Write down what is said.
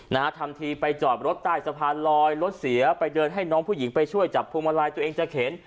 นะฮะทำทีไปจอดรถใต้สะพานลอยรถเสียไปเดินให้น้องผู้หญิงไปช่วยจับพวงมาลัยตัวเองจะเข็น